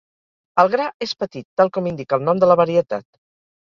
El gra és petit, tal com indica el nom de la varietat.